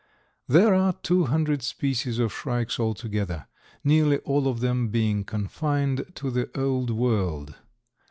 There are two hundred species of shrikes altogether, nearly all of them being confined to the Old World.